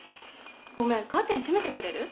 ごめんカーテン閉めてくれる？